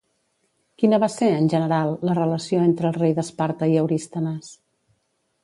Quina va ser, en general, la relació entre el rei d'Esparta i Eurístenes?